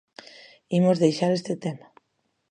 Imos deixar este tema.